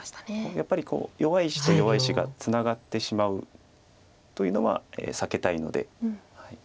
やっぱりこう弱い石と弱い石がツナがってしまうというのは避けたいので。